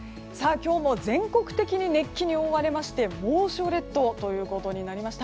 今日も全国的に熱気に覆われて猛暑列島となりました。